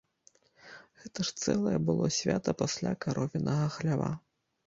Гэта ж цэлае было свята пасля каровінага хлява.